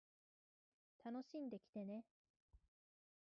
楽しんできてね